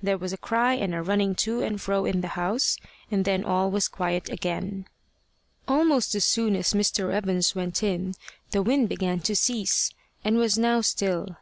There was a cry and a running to and fro in the house, and then all was quiet again. Almost as soon as Mr. Evans went in, the wind began to cease, and was now still.